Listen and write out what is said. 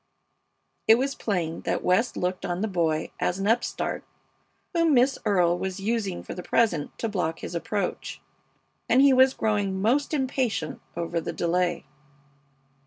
It was plain that West looked on the boy as an upstart whom Miss Earle was using for the present to block his approach, and he was growing most impatient over the delay.